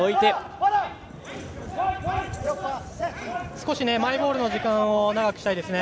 少しマイボールの時間を長くしたいですね。